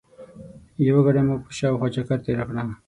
یوه ګړۍ مو په شاوخوا چکر تېره کړه.